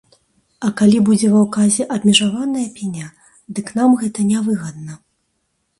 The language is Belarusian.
А калі будзе ва ўказе абмежаваная пеня, дык нам гэта не выгадна.